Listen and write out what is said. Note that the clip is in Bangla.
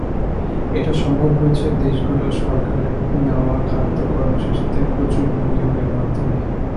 এটা সম্ভব হয়েছে দেশগুলোর সরকারের নেওয়া খাদ্য কর্মসূচিতে প্রচুর বিনিয়োগের মাধ্যমে।